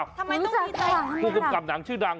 ก็ไม่ต้องดีใจกับกับกัมหนังชื่อดัง